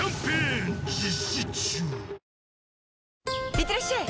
いってらっしゃい！